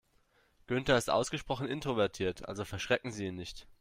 Günther ist ausgesprochen introvertiert, also verschrecken Sie ihn nicht.